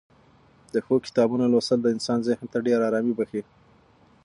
د ښو کتابونو لوستل د انسان ذهن ته ډېره ارامي بښي.